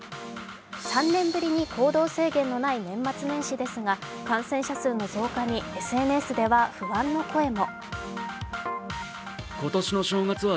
３年ぶりに行動制限のない年末年始ですが感染者数の増加にＳＮＳでは不安の声も。